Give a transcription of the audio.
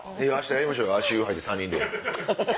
足湯入って３人で。